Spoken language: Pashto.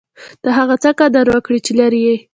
د هغه څه قدر وکړئ، چي لرى يې.